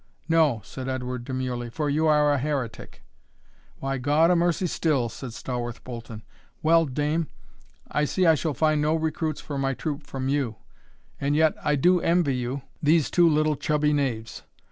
"No," said Edward, demurely, "for you are a heretic." "Why, God a mercy still!" said Stawarth Bolton. "Well, dame, I see I shall find no recruits for my troop from you; and yet I do envy you these two little chubby knaves."